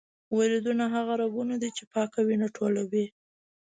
وریدونه هغه رګونه دي چې پاکه وینه ټولوي.